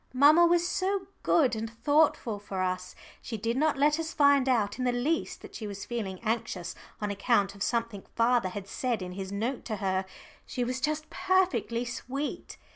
Mamma was so good and thoughtful for us, she did not let us find out in the least that she was feeling anxious on account of something father had said in his note to her. She was just perfectly sweet.